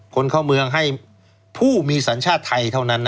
คนเข้าเมืองให้ผู้มีสัญชาติไทยเท่านั้น